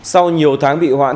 sau nhiều tháng bị hoãn